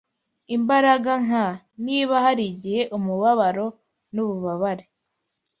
Imbaraga nk, niba harigihe umubabaro nububabare